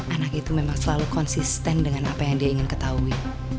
anak itu memang selalu konsisten dengan apa yang dia ingin ketahui